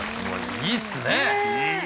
いいっすね。